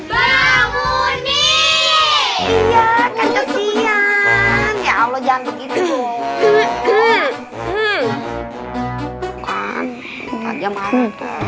ya allah jangan begitu